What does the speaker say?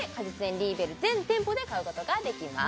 リーベル全店舗で買うことができます